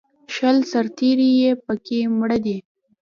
شل سرتېري یې په کې مړه دي